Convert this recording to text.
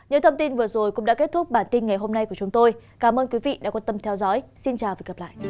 hãy đăng ký kênh để ủng hộ kênh của mình nhé